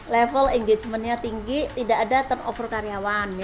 level engagementnya tinggi tidak ada turnover karyawan